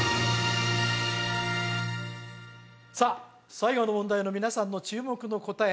さあ最後の問題の皆さんの注目の答え